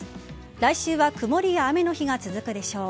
来週は曇りや雨の日が続くでしょう。